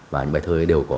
và những bài thơ ấy đều có